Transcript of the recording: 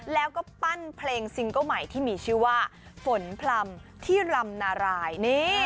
แล้วก็ปั้นเพลงซิงเกิ้ลใหม่ที่มีชื่อว่าฝนพลำที่รำนาราย